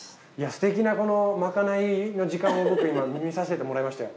すてきなまかないの時間を僕今見させてもらいましたよ。